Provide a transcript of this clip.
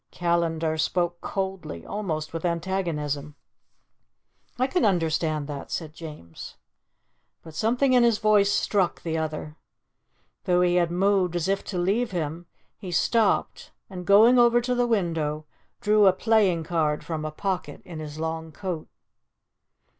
Callandar spoke coldly, almost with antagonism. "I can understand that," said James. But something in his voice struck the other. Though he had moved as if to leave him, he stopped, and going over to the window, drew a playing card from a pocket in his long coat.